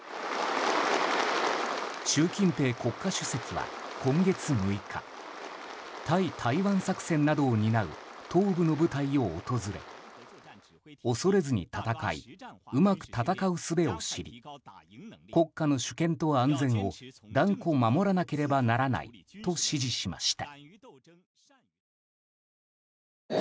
習近平国家主席は今月６日対台湾作戦などを担う東部の部隊を訪れ恐れずに戦いうまく戦うすべを知り国家の主権と安全を断固守らなければならないと指示しました。